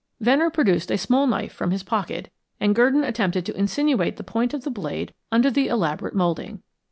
Venner produced a small knife from his pocket, and Gurdon attempted to insinuate the point of the blade under the elaborate moulding.